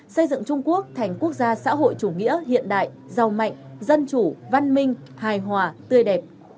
xây dựng trung quốc thành quốc gia xã hội chủ nghĩa hiện đại giàu mạnh dân chủ văn minh hài hòa tươi đẹp